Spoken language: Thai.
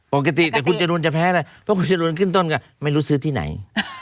ปกติแต่คุณจรูนจะแพ้อะไรเพราะคุณจรูนขึ้นต้นก็ไม่รู้ซื้อที่ไหน